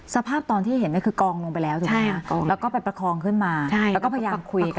สภาพตอนที่เห็นเนี่ยคือกองลงไปแล้วถูกไหมคะแล้วก็ไปประคองขึ้นมาแล้วก็พยายามคุยกัน